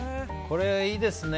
これ、いいですね